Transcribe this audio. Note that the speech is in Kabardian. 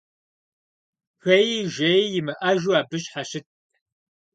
Шхэи жеи имыӀэжу абы щхьэщытт.